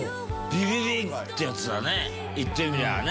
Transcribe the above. ビビビってやつだね言ってみりゃあね。